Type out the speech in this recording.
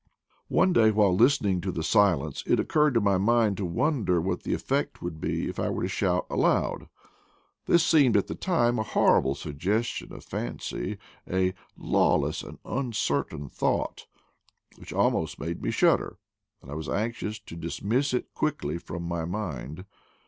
One day while lis tening to the silence, it occurred to my mind to wonder what the effect would be if I were to shout aloud. This seemed at the time a horrible suggestion of fancy, a "lawless and uncertain thought " which almost made me shudder, and I was anxious to dismiss it quickly from my mind.